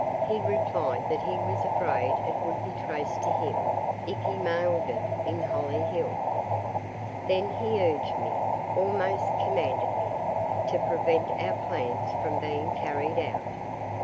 He replied that he was afraid it would be traced to him if he mailed it in Hollyhill. Then he urged me, almost commanded me, to prevent our plans from being carried out.